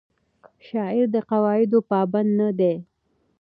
شاعر د قواعدو پابند نه دی.